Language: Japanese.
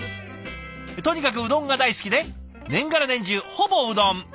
とにかくうどんが大好きで年がら年中ほぼうどん！